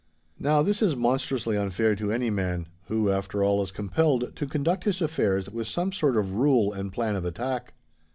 Now this is monstrously unfair to any man, who, after all, is compelled to conduct his affairs with some sort of rule and plan of attack.